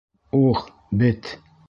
Ух, бет!